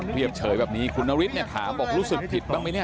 เรียบเฉยแบบนี้คุณนฤทธิเนี่ยถามบอกรู้สึกผิดบ้างไหมเนี่ย